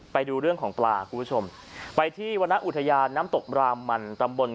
ไปดูเรื่องของปลาคุณผู้ชมไปที่วรรณอุทยานน้ำตกรามมันตำบล